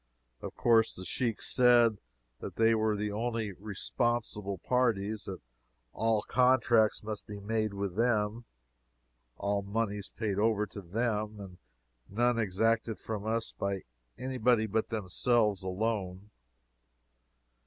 Of course the Sheiks said they were the only responsible parties; that all contracts must be made with them, all moneys paid over to them, and none exacted from us by any but themselves alone.